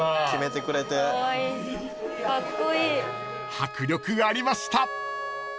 ［迫力ありました］